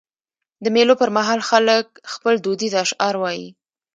د مېلو پر مهال خلک خپل دودیز اشعار وايي.